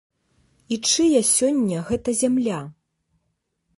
І чыя сёння гэта зямля?